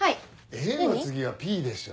「Ａ」の次は「Ｐ」でしょ。